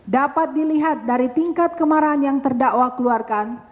dapat dilihat dari tingkat kemarahan yang terdakwa keluarkan